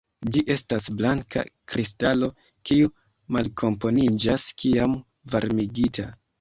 Ĝi estas blanka kristalo kiu malkomponiĝas kiam varmigita.